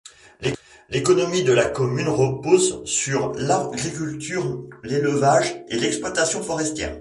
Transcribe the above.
L'économie de la commune repose sur l'agriculture, l'élevage et l'exploitation forestière.